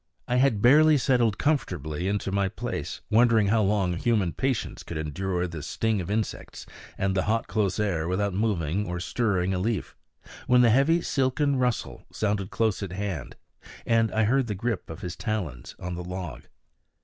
I had barely settled comfortably into my place, wondering how long human patience could endure the sting of insects and the hot close air without moving or stirring a leaf, when the heavy silken rustle sounded close at hand, and I heard the grip of his talons on the log.